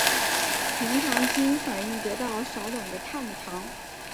酮糖经反应得到少两个碳的糖。